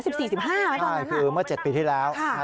สิบสี่สิบห้าไหมตอนนั้นใช่คือเมื่อเจ็ดปีที่แล้วใช่